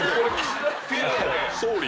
総理。